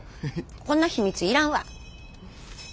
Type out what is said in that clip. こんな秘密いらんわ。